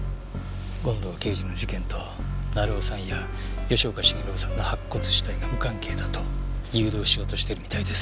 権藤刑事の事件と成尾さんや吉岡繁信さんの白骨死体が無関係だと誘導しようとしてるみたいです。